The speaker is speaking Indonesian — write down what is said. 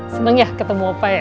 seneng ya ketemu apa ya